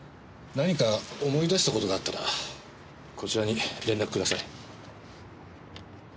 何か思い出した事があったらこちらに連絡ください。